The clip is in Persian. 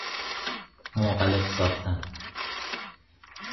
منقلب ساختن